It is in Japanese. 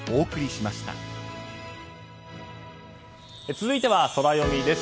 続いてはソラよみです。